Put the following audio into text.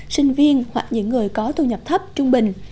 sinh viên hoặc những người có thu nhập thấp trung bình